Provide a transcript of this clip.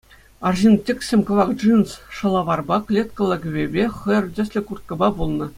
Арҫын тӗксӗм кӑвак джинс шӑлаварпа, клеткӑллӑ кӗпепе, хӑйӑр тӗслӗ курткӑпа пулнӑ.